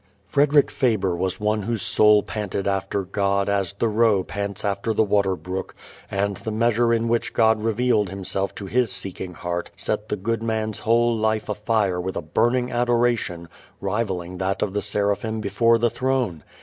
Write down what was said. Frederick Faber was one whose soul panted after God as the roe pants after the water brook, and the measure in which God revealed Himself to his seeking heart set the good man's whole life afire with a burning adoration rivaling that of the seraphim before the throne.